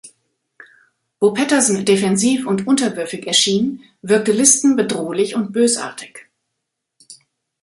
Wo Patterson defensiv und unterwürfig erschien, wirkte Liston bedrohlich und bösartig.